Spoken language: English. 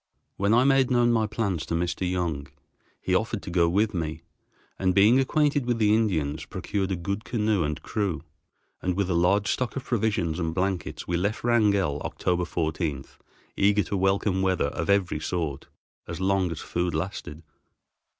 When I made known my plans to Mr. Young, he offered to go with me, and, being acquainted with the Indians, procured a good canoe and crew, and with a large stock of provisions and blankets, we left Wrangell October 14, eager to welcome weather of every sort, as long as food lasted.